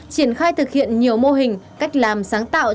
triển khai thực hiện nhiều mô hình cách làm sáng tạo